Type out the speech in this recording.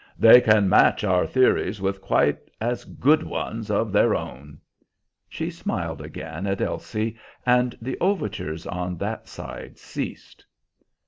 "They can match our theories with quite as good ones of their own." She smiled again at Elsie, and the overtures on that side ceased.